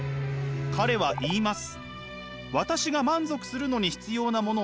彼は言います。